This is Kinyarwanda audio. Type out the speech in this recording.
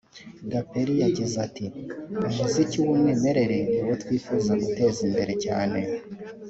Gaperi yagize ati “Umuziki w’umwimerere niwo twifuza guteza imbere cyane